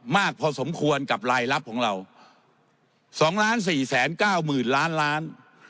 มากพอสมควรกับรายลับของเราสองล้านสี่แสนเก้ามืดล้านล้าน